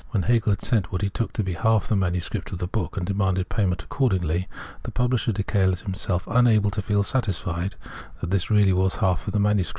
When Hegel had sent what he took to be half the MS. of the book, and demanded payment accordingly, the publisher declared himself unable to feel satisfied that this really was half the MS.